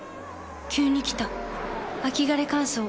急に来た秋枯れ乾燥。